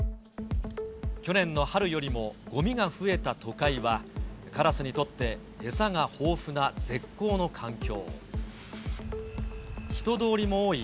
去年の春よりもごみが増えた都会は、カラスにとって、餌が豊富な絶好の環境。